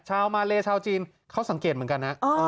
ชาวมาเลชาวจีนเขาสังเกตเหมือนกันนะ